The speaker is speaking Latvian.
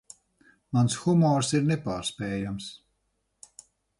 Mans humors ir nepārspējams.